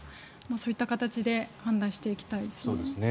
そういった形で判断していきたいですね。